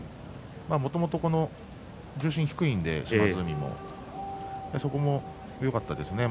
もともと重心が低いので島津海はそこもよかったですね